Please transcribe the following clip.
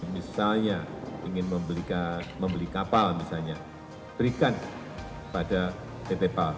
misalnya ingin membeli kapal misalnya berikan pada pt pal